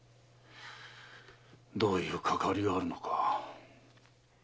どういうかかわりがあるのか。